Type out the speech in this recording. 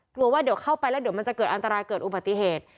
กลัวว่าเดี๋ยวเข้าไปแล้วเดี๋ยวมันจะเกิดอันตรายเกิดอุบัติเหตุ